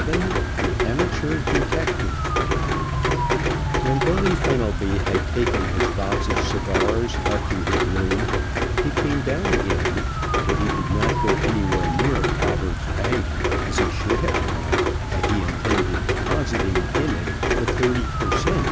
VII THE AMATEUR DETECTIVE When Billy Fenelby had taken his box of cigars up to his room he came down again, but he did not go anywhere near Bobberts' bank, as he should have gone had he intended depositing in it the thirty per cent.